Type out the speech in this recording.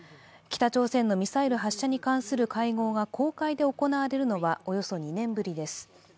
北朝鮮のミサイル発射に関する会合が公開で行われるのは、およそ２年ぶりです。